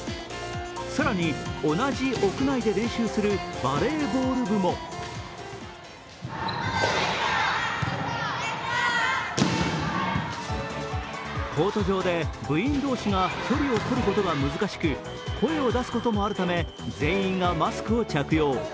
更に、同じ屋内で練習するバレーボール部もコート上で部員同士が距離を取ることが難しく声を出すこともあるため全員がマスクを着用。